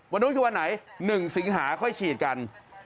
วันนู้นคือวันไหน๑สิงหาค่อยฉีดกัน